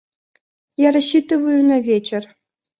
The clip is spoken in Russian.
Я рассчитываю на вечер.